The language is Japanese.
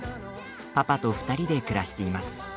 パパと２人で暮らしています。